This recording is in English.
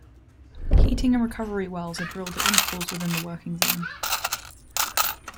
Heating and recovery wells are drilled at intervals within the working zone.